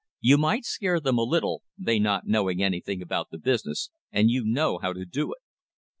You might scare them a little, they not knowing anything about the business, and you know how to do it."